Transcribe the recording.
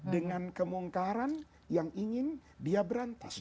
dengan kemungkaran yang ingin dia berantas